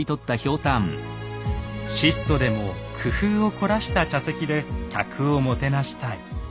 質素でも工夫を凝らした茶席で客をもてなしたい。